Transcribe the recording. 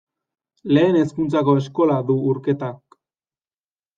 Lehen hezkuntzako eskola du Urketak.